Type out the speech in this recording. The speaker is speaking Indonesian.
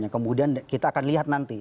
kemudian kita akan lihat nanti